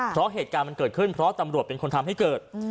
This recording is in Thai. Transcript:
เพราะเหตุการณ์มันเกิดขึ้นเพราะตำรวจเป็นคนทำให้เกิด